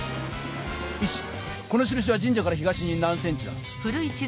イチこのしるしは神社から東に何ｃｍだ？